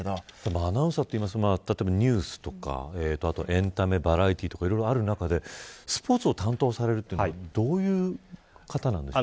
アナウンサーはニュースとかエンタメ、バラエティーとかある中でスポーツを担当されるというのはどういう方なんですか。